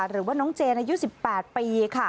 หรือว่าน้องเจนอายุ๑๘ปีค่ะ